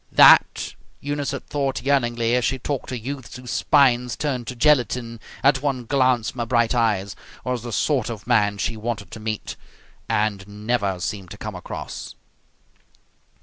That, Eunice had thought yearningly, as she talked to youths whose spines turned to gelatine at one glance from her bright eyes, was the sort of man she wanted to meet and never seemed to come across.